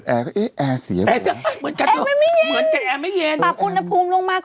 แอร์เสียบอก